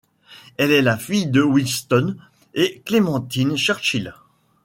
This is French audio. Elle est la fille de Winston et Clementine Churchill.